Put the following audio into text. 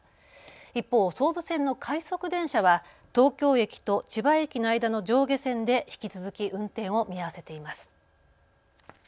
一方、総武線の快速電車は東京駅と千葉駅の間の上下線で引き続き運転を見合わせています。